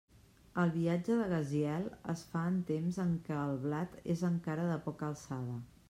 El viatge de Gaziel es fa en temps en què el blat és encara de poca alçada.